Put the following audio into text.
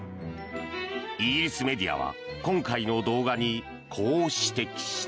イギリスメディアは今回の動画にこう指摘した。